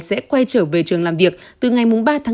sẽ quay trở về trường làm việc từ ngày ba bốn hai nghìn hai mươi bốn